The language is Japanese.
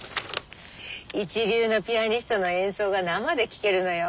一流のピアニストの演奏が生で聴けるのよ。